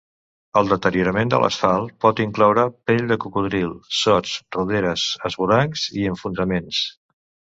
El deteriorament de l'asfalt pot incloure pell de cocodril, sots, roderes, esvorancs i enfonsaments.